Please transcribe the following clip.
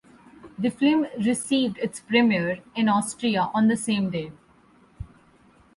The film received its premiere in Austria on the same day.